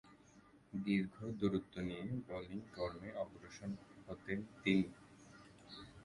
দীর্ঘ দূরত্ব নিয়ে বোলিং কর্মে অগ্রসর হতেন তিনি।